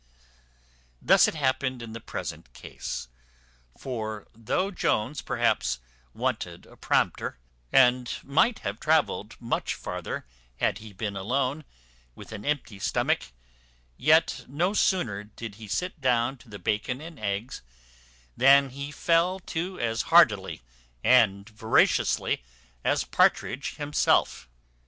Thus it happened in the present case; for though Jones perhaps wanted a prompter, and might have travelled much farther, had he been alone, with an empty stomach; yet no sooner did he sit down to the bacon and eggs, than he fell to as heartily and voraciously as Partridge himself.